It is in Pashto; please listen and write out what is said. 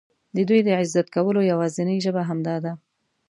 د دوی د عزت کولو یوازینۍ ژبه همدا ده.